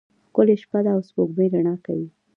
ښکلی شپه ده او سپوږمۍ رڼا کوي.